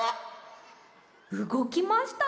うごきましたね。